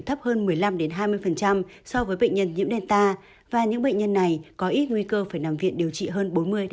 thấp hơn một mươi năm hai mươi so với bệnh nhân nhiễm delta và những bệnh nhân này có ít nguy cơ phải nằm viện điều trị hơn bốn mươi năm mươi